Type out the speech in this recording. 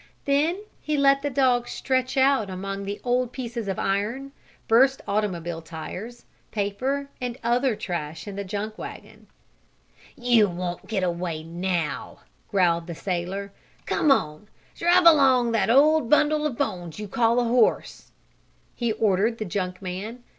Then he let the dog stretch out among the old pieces of iron, burst automobile tires, paper and other trash in the junk wagon. "You won't get away now!" growled the sailor. "Come on! Drive along that old bundle of bones you call a horse!" he ordered the junk man.